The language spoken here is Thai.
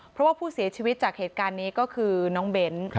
เพราะว่าผู้เสียชีวิตจากเหตุการณ์นี้ก็คือน้องเบ้น